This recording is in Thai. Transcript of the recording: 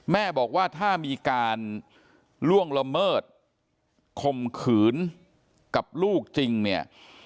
แม่บอกว่าถ้ามีการล่วงละเมิดคมขืนกับลูกจริงเนี่ย